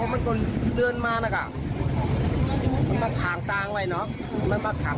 เบียกร่วมกับคนเลี่ยน